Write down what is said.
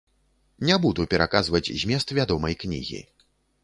Не буду пераказваць змест вядомай кнігі.